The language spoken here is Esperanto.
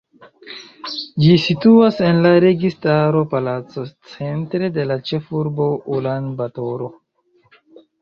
Ĝi situas en la Registaro Palaco centre de la ĉefurbo Ulan-Batoro.